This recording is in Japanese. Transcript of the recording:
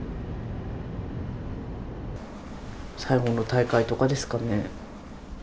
最後の大会とかですかね。